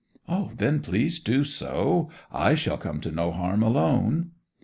'Then please do so. I shall come to no harm alone.